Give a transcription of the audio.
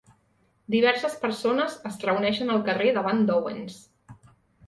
Diverses persones es reuneixen al carrer davant d'Owen's.